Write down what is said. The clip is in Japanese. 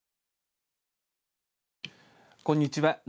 こんにちは。